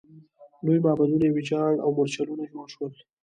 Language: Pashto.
لوی معبدونه یې ویجاړ او مورچلونه جوړ شول.